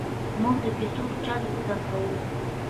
ـ مونږ د کیسو چل زده کاوه!